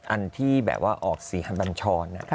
อันที่แบบว่าออกสีคันบัญชร